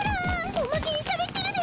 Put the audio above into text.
おまけにしゃべってるで！